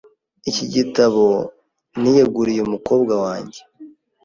Iki gitabo niyeguriye umukobwa wanjye.